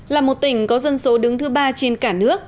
là một tỉnh có dân số đứng thứ ba trên cả nước